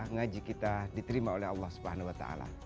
ngaji kita diterima oleh allah swt